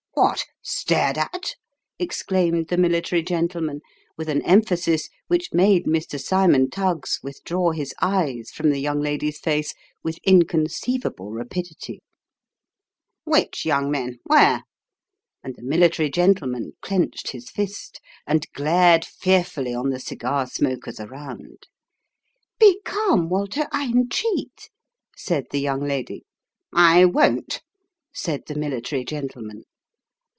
" What ? stared at ?" exclaimed the military gentleman, with an emphasis which made Mr. Cymon Tuggs withdraw his eyes from the young lady's face with inconceivable rapidity. " Which young men where ?" and the military gentleman clenched his fist, and glared fearfully on the cigar smokers around. Captain (and Mrs. Captain) Waters. 255 " Be calm, Walter, I entreat," said the young lady. " I won't," said the military gentleman.